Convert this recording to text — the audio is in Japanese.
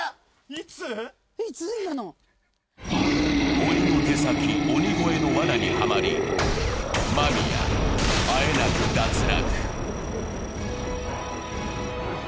鬼の手先、鬼越のわなにはまり、間宮、あえなく脱落。